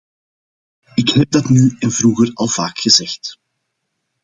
Ik heb dat nu en vroeger al vaak gezegd.